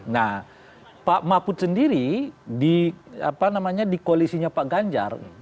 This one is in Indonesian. nah pak mahfud sendiri di apa namanya di koalisinya pak ganjar